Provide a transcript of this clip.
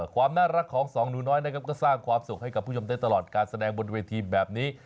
ความน่ารักของสองหนูน้อยนะครับก็สร้างความสุขให้กับผู้ชมได้ตลอดการแสดงบนเวทีแบบนี้